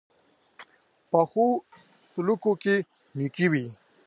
پخو سلوکو کې نېکي وي